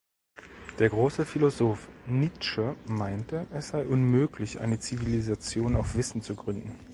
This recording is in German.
Der große Philosoph Nietzsche meinte, es sei unmöglich, eine Zivilisation auf Wissen zu gründen.